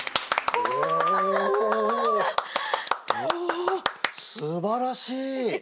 あすばらしい！